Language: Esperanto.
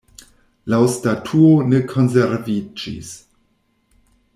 La statuo ne konserviĝis.